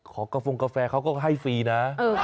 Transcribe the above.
กระโฟงกาแฟเขาก็ให้ฟรีนะ